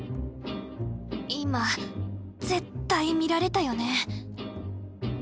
今絶対見られたよね？